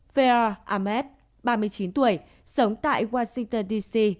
fao ahmed ba mươi chín tuổi sống tại washington dc